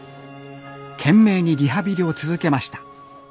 懸命にリハビリを続けました。